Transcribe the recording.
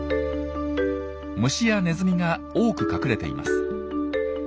虫やネズミが多く隠れています。